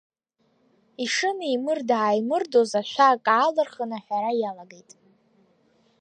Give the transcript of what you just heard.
Ишынеимырда-ааимырдоз, ашәак аалырхын, аҳәара иалагеит.